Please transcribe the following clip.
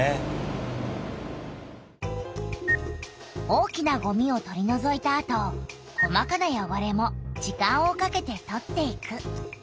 大きなごみを取りのぞいたあと細かなよごれも時間をかけて取っていく。